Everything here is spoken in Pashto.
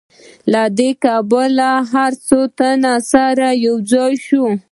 له دې کبله باید څو تنه سره یوځای شي